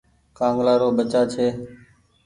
ڪآنگلآ رو بچآ ڇي۔